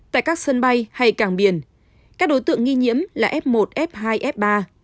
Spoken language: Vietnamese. tại các sân bay hay cảng biển các đối tượng nghi nhiễm là f một f hai f ba